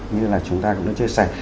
như là chúng ta cũng đã chia sẻ